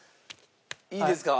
いいですか？